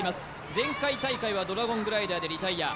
前回大会はドラゴングライダーでリタイア